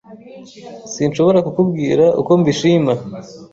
Sinshobora kukubwira uko mbishima.